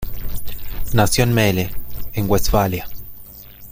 Nació en Melle, en Westfalia.